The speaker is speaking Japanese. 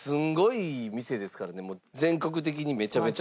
全国的にめちゃめちゃ。